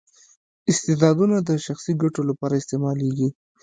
استعدادونه د شخصي ګټو لپاره استعمالوي.